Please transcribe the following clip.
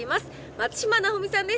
松嶋尚美さんです。